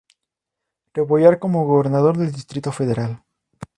Rebollar como Gobernador del Distrito Federal.